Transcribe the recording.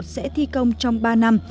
sẽ thi công trong ba năm